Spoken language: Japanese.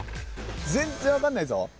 全然分かんないぞ。